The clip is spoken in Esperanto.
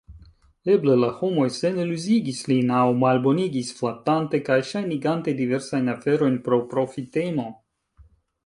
Eble la homoj seniluziigis lin aŭ malbonigis, flatante kaj ŝajnigante diversajn aferojn pro profitemo.